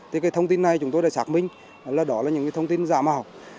thì cái thông tin này chúng tôi đã xác minh là đó là những cái thông tin giả mạo